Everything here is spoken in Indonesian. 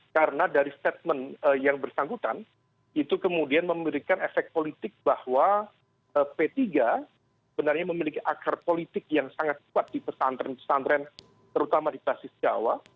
karena dari statement yang bersangkutan itu kemudian memberikan efek politik bahwa p tiga benarnya memiliki akar politik yang sangat kuat di pesantren pesantren terutama di basis jawa